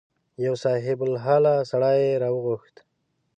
یو صاحب الحاله سړی یې راوغوښت.